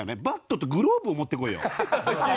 バットとグローブを持ってこいよ。